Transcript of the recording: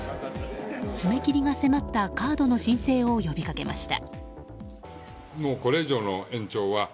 締め切りが迫ったカードの申請を呼びかけました。